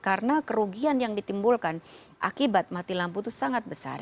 karena kerugian yang ditimbulkan akibat mati lampu itu sangat besar